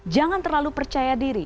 jangan terlalu percaya diri